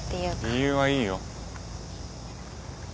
理由はいいよ。